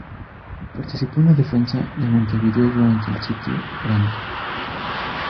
Participó en la defensa de Montevideo durante el Sitio Grande.